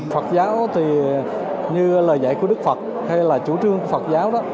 phật giáo thì như lời dạy của đức phật hay là chú trương của phật giáo đó